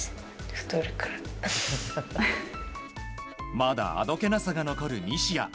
まだあどけなさが残る西矢。